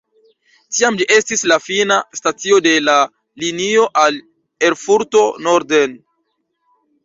Tiam ĝi estis la fina stacio de la linio al Erfurto norden.